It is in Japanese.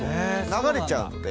流れちゃうので。